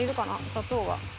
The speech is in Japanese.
砂糖が。